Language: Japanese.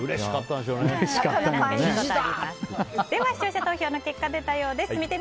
では視聴者投票の結果出たようです。